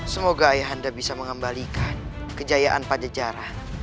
semoga ayahanda bisa mengembalikan kejayaan pajajaran